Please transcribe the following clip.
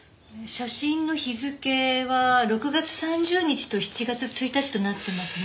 写真の日付は６月３０日と７月１日となっていますね。